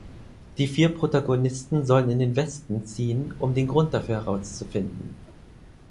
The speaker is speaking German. Die vier Protagonisten sollen in den Westen ziehen, um den Grund dafür herauszufinden.